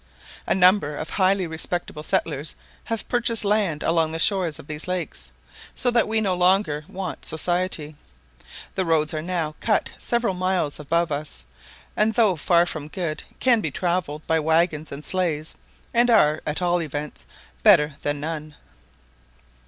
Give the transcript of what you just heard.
A number of highly respectable settlers have purchased land along the shores of these lakes, so that we no longer want society. The roads are now cut several miles above us, and though far from good can be travelled by waggons and sleighs, and are, at all events, better than none.